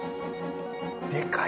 でかい。